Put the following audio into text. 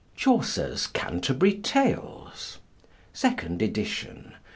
CHAUCER'S CANTERBURY TALES Second Edition.